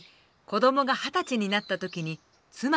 子どもが二十歳になった時に妻と離婚。